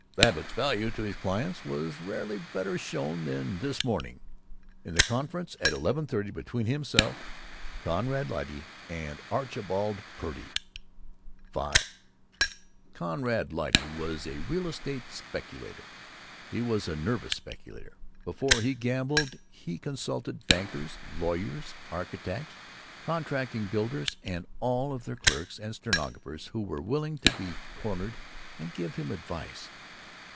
Babbitt's value to his clients was rarely better shown than this morning, in the conference at eleven thirty between himself, Conrad Lyte, and Archibald Purdy. V Conrad Lyte was a real estate speculator. He was a nervous speculator. Before he gambled he consulted bankers, lawyers, architects, contracting builders, and all of their clerks and stenographers who were willing to be cornered and give him advice.